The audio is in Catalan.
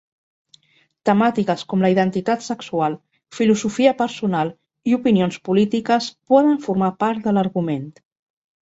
Temàtiques com la identitat sexual, filosofia personal i opinions polítiques poden formar part de l'argument.